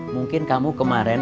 mungkin kamu kemarin